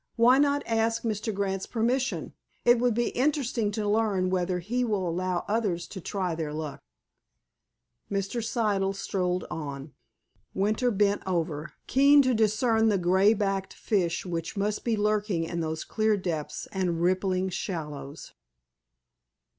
"Why not ask Mr. Grant's permission? It would be interesting to learn whether he will allow others to try their luck." Mr. Siddle strolled on. Winter bent over, keen to discern the gray backed fish which must be lurking in those clear depths and rippling shallows.